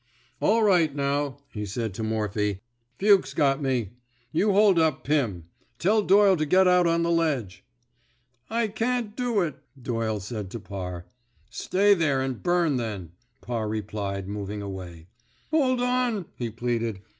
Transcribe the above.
All right, now," he said to Morphy. '' Fuchs' got me. You hold up Pim. Tell Doyle to get out on the ledge." I can't do it," Doyle said to Parr. Stay there an' bum then," Parr re plied, moving away. Hold on," he pleaded.